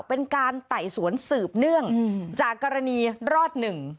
เป็นการไต่สวนสืบเนื่องจากกรณีรอดหนึ่ง